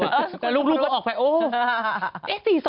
แล้วลูกก็ออกไป